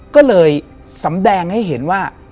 ก็เลยสำแดงให้เห็นว่า